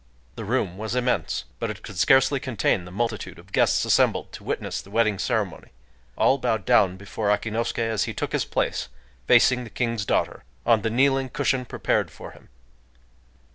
The room was immense; but it could scarcely contain the multitude of guests assembled to witness the wedding ceremony. All bowed down before Akinosuké as he took his place, facing the King's daughter, on the kneeling cushion prepared for him.